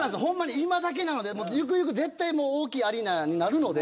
今だけなのでゆくゆくは絶対に大きいアリーナになるので。